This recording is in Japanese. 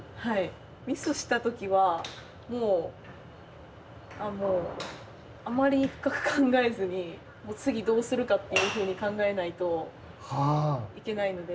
ミスしたときは、もうあまり深く考えずに、次どうするかというふうに考えないといけないので。